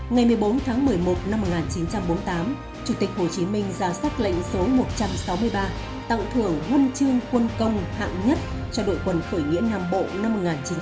ngày một mươi bốn tháng một mươi một năm một nghìn chín trăm bốn mươi tám chủ tịch hồ chí minh ra sát lệnh số một trăm sáu mươi ba tặng thưởng huân chương quân công hạng nhất cho đội quân khởi nghĩa nam bộ năm một nghìn chín trăm bảy mươi